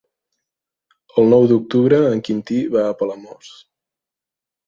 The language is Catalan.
El nou d'octubre en Quintí va a Palamós.